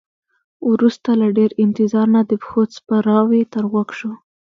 وروسته له ډیر انتظار نه د پښو څپړاوی تر غوږ شو.